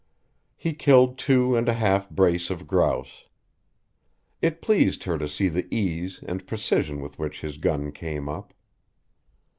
He killed two and a half brace of grouse. It pleased her to see the ease and precision with which his gun came up.